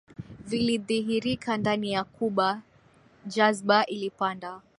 vilidhihirika ndani ya Cuba Jazba ilipanda